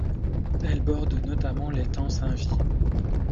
Elle borde notamment l'étang St Vit.